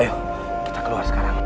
ayo kita keluar sekarang